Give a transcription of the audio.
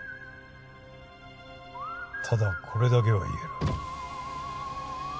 ただこれだけは言える。